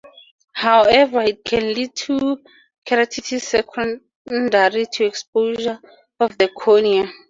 However, it can lead to keratitis secondary to exposure of the cornea.